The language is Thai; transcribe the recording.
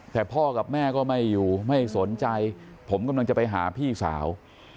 แต่พ่อกับแม่ก็ไม่อยู่ไม่สนใจผมกำลังจะไปหาพี่สาว